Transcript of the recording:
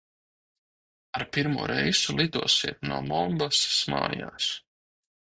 Ar pirmo reisu lidosiet no Mombasas mājās!